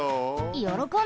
よろこんで！